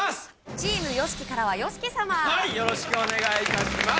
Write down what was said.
チームＹＯＳＨＩＫＩからはＹＯＳＨＩＫＩ様はいよろしくお願いいたします